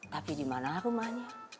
tapi di mana rumahnya